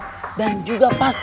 tapi dia juga takut